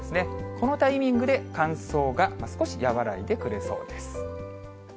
このタイミングで、乾燥が少し和らいでくれそうです。